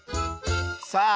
さあ